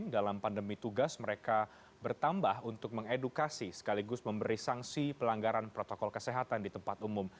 dalam pandemi tugas mereka bertambah untuk mengedukasi sekaligus memberi sanksi pelanggaran protokol kesehatan di tempat umum